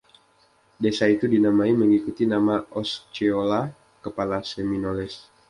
Desa itu dinamai mengikuti nama Osceola, kepala Seminoles.